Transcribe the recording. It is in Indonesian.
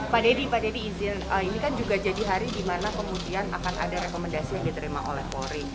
pak dedy pak dedy izin ini kan juga jadi hari dimana kemudian akan ada rekomendasi yang diterima oleh polri